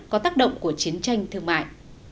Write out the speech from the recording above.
có tác động của chiến tranh thương mại